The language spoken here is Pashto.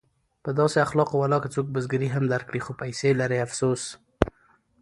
په داسې اخلاقو ولاکه څوک بزګري هم درکړي خو پیسې لري افسوس!